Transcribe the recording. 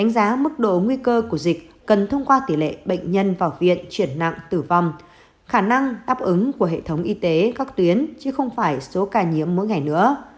đánh giá mức độ nguy cơ của dịch cần thông qua tỷ lệ bệnh nhân vào viện chuyển nặng tử vong khả năng đáp ứng của hệ thống y tế các tuyến chứ không phải số ca nhiễm mỗi ngày nữa